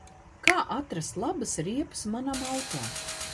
Kā atrast labas riepas manam auto?